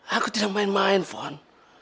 aku tidak main main fun